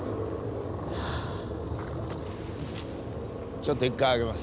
ちょっと１回あげます。